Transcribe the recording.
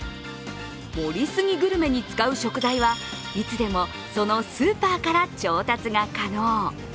盛り過ぎグルメに使う食材はいつでもそのスーパーから調達が可能。